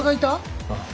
ああ。